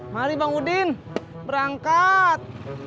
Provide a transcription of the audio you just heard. mari bang udin berangkat